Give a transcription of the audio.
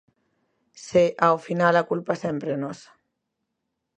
Se, ao final, a culpa sempre é nosa.